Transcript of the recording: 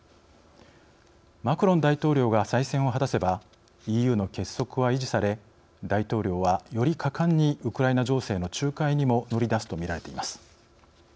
マクロン大統領が再選を果たせばＥＵの結束は維持され大統領はより果敢にウクライナ情勢の仲介にも乗り出すと見られています。